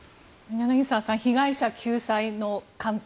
柳澤さん、被害者救済の観点